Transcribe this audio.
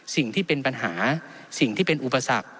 สิ่งที่เป็นปัญหาสิ่งที่เป็นอุปสรรค